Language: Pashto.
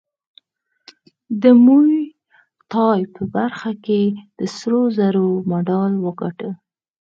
د موی تای په برخه کې د سرو زرو مډال وګاټه